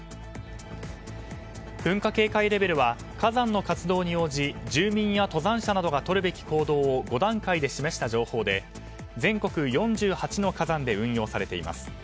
噴火警戒レベルは火山の活動に応じ住民や登山者などがとるべき行動を５段階に示した情報で全国４８の火山で運用されています。